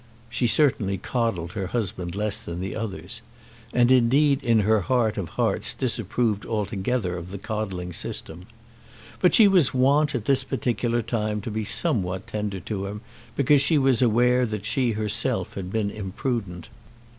She certainly coddled her husband less than the others; and, indeed, in her heart of hearts disapproved altogether of the coddling system. But she was wont at this particular time to be somewhat tender to him because she was aware that she herself had been imprudent.